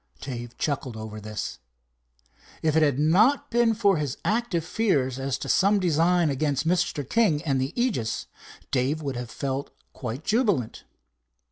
Dave chuckled over this. If it had not been for his active fears as to some designs against Mr. King and the Aegis, Dave would have felt quite jubilant.